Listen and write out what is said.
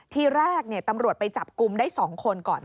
ทีแรกตำรวจไปจับกลุ่มได้๒คนก่อน